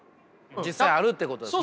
実際あるっていうことですね？